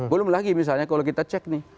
belum lagi misalnya kalau kita cek nih